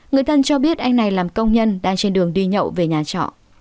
người thân cho biết anh này làm công nhân đang trên đường đi nhậu về nhà trọ